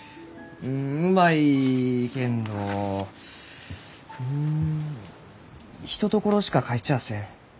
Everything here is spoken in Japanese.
うまいけんどうん一ところしか描いちゃあせん。